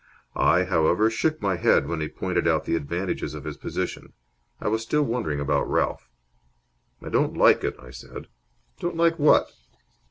I, however, shook my head when he pointed out the advantages of his position. I was still wondering about Ralph. "I don't like it," I said. "Don't like what?"